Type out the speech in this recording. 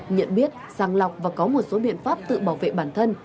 nhận biết sàng lọc và có một số biện pháp tự bảo vệ bản thân